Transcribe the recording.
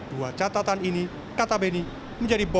dua catatan ini kata beni